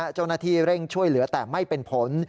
เจ้าหน้าที่เร่งช่วยเหลือแต่ไม่เป็นผล